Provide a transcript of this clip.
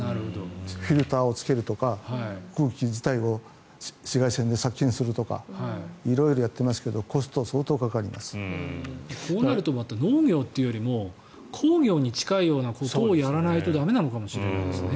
フィルターをつけるとか空気自体を紫外線で殺菌するとか色々やっていますがこうなると農業というよりも工業に近いことをやらないと駄目なのかもしれないですね。